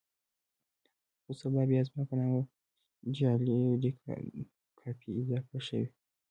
خو سبا بيا زما په نامه جعلي اې ډي ګانې اضافه شوې.